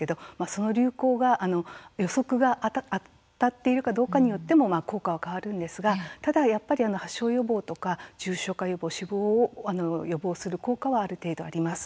その流行が予測が当たっているかどうかによっても効果は変わるんですがただやっぱり発症予防とか重症化予防、死亡を予防する効果はある程度あります。